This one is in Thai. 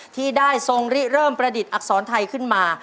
ที่ได้ทรงเริ่มประดิษฐ์อักษรไทยขึ้นมา